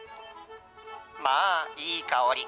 まあ、いい香り！